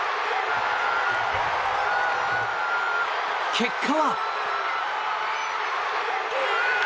結果は。